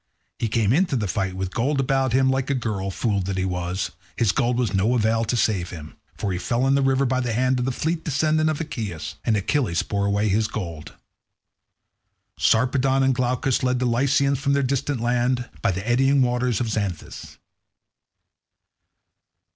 He came into the fight with gold about him, like a girl; fool that he was, his gold was of no avail to save him, for he fell in the river by the hand of the fleet descendant of Aeacus, and Achilles bore away his gold. Sarpedon and Glaucus led the Lycians from their distant land, by the eddying waters of the Xanthus.